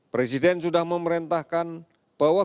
presiden sudah memerintahkan bahwa